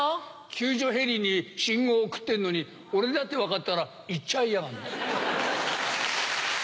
救助ヘリに信号送ってんのに俺だって分かったら行っちゃいやがんの。